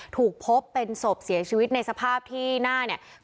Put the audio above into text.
ถูกพบเป็นศพเสียชีวิตในสภาพที่หน้าเนี่ย